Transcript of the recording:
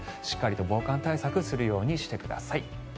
しっかりと防寒対策をするようにしてください。